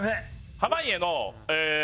濱家のええー